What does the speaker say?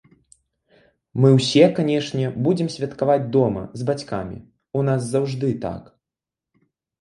Мы ўсе, канешне, будзем святкаваць дома, з бацькамі, у нас заўжды так.